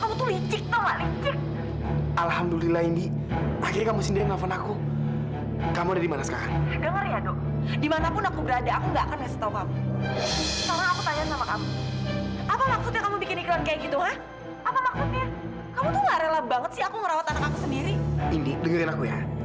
kamu gak boleh turun dari tempat tidur